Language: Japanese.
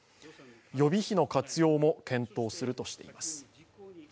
予備費の活用も検討するとしています。